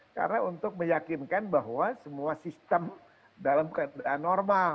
karena untuk meyakinkan bahwa semua sistem dalam keadaan normal